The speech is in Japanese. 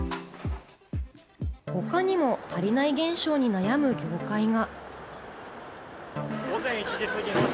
他にも足りない現象に悩む業界が。